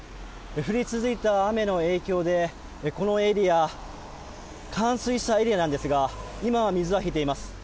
降り続いた雨の影響でこのエリア、冠水したエリアなんですが、今は水は引いています。